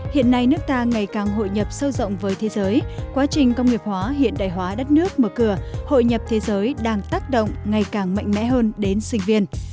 hiện nay nước ta ngày càng hội nhập sâu rộng với thế giới quá trình công nghiệp hóa hiện đại hóa đất nước mở cửa hội nhập thế giới đang tác động ngày càng mạnh mẽ hơn đến sinh viên